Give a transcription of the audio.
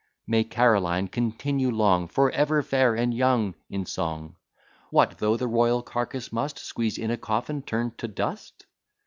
May Caroline continue long, For ever fair and young! in song. What though the royal carcass must, Squeezed in a coffin, turn to dust?